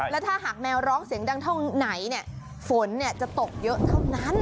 แล้วถ้าหากแมวร้องเสียงดังเท่าไหนฝนจะตกเยอะเท่านั้น